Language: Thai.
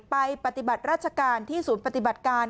ปฏิบัติราชการที่ศูนย์ปฏิบัติการ